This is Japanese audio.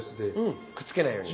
くっつけないように。